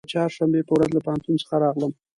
د چهارشنبې په ورځ له پوهنتون څخه راغلم.